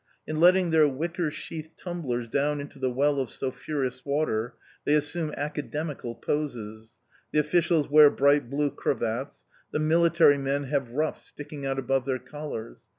In letting their wicker sheathed tumblers down into the well of sulphurous water they assume academical poses. The officials wear bright blue cravats; the military men have ruffs sticking out above their collars.